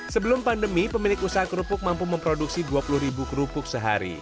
sebelum pandemi pemilik usaha kerupuk mampu memproduksi dua puluh ribu kerupuk sehari